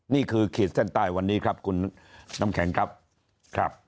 ขีดเส้นใต้วันนี้ครับคุณน้ำแข็งครับครับ